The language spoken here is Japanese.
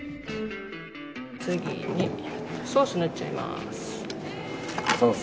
次にソース塗っちゃいます。